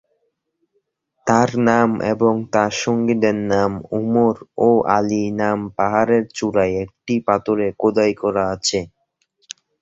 তাঁর নাম এবং তাঁর সঙ্গীদের নাম উমর ও আলীর নাম পাহাড়ের চূড়ায় একটি পাথরে খোদাই করা আছে।